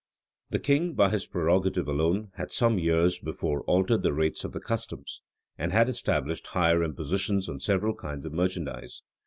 The king, by his prerogative alone, had some years before altered the rates of the customs, and had established higher impositions on several kinds of merchandise.